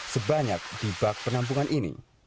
sebanyak di bak penampungan ini